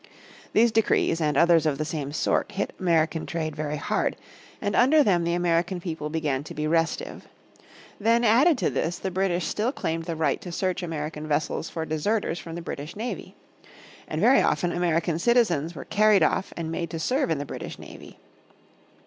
These decrees and others of the same sort hit American trade very hard, and under them the American people began to be restive. Then, added to this, the British still claimed the right to search American vessels for deserters from the British navy. And very often American citizens were carried off and made to serve in the British navy.